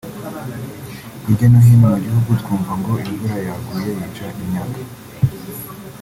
Hirya no hino mu gihugu twumva ngo imvura yaguye yica imyaka